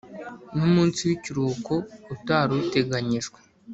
N umunsi w ikiruhuko utari uteganyijwe